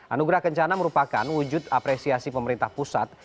anugerah kencana merupakan wujud apresiasi pemerintah pusat